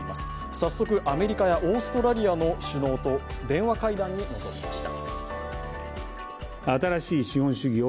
早速、アメリカやオーストラリアの首脳と電話会談に臨みました。